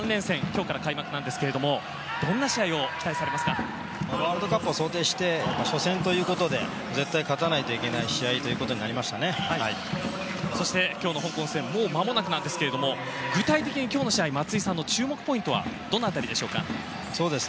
今日から開幕なんですけどもワールドカップを想定して初戦ということで絶対に勝たないといけないそして、今日の香港戦もうまもなくですが具体的に今日の試合、松井さんの注目ポイントはどの辺りでしょうか。